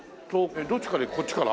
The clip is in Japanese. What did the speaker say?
どっちから行くこっちから？